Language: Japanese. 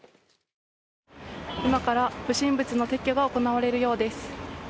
今から不審物の撤去が行われるようです。